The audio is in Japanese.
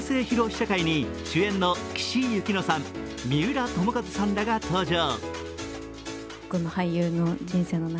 試写会に主演の岸井ゆきのさん、三浦友和さんらが登場。